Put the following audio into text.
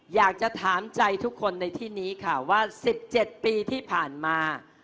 อยากจะถามใจทุกคนในที่นี้ค่ะว่า๑๗ปีที่ผ่านมา